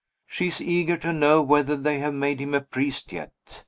She is eager to know whether they have made him a priest yet.